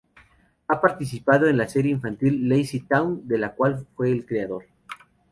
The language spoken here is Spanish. Ha participado en la serie infantil Lazy Town, de la cual fue el creador.